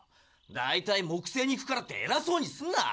だいたい木星に行くからってえらそうにすんな！